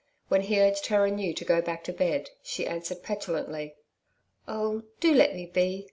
When he urged her anew to go back to bed, she answered petulantly: 'Oh, do let me be.